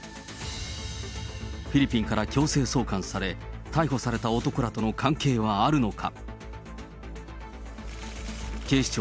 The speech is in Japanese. フィリピンから強制送還され、逮捕された男らとの関係はあるのか。